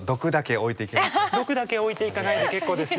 毒だけ置いて行かないで結構ですよ。